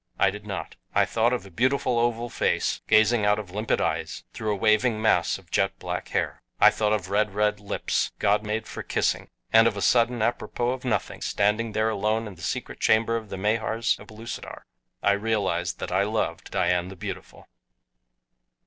I did not. I thought of a beautiful oval face, gazing out of limpid eyes, through a waving mass of jet black hair. I thought of red, red lips, God made for kissing. And of a sudden, apropos of nothing, standing there alone in the secret chamber of the Mahars of Pellucidar, I realized that I loved Dian the Beautiful.